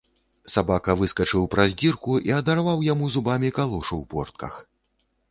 Сабака выскачыў праз дзірку і адарваў яму зубамі калошу ў портках.